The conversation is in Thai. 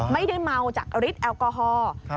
ไม่ได้เมาจากฤทธิแอลกอฮอล์